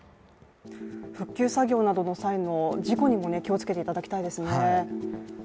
復旧作業などの際の事故にも気をつけていただきたいですね。